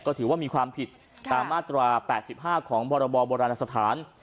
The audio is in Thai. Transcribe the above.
ก็ถือว่ามีความผิดตามมาตรา๘๕ของพรบโบราณสถาน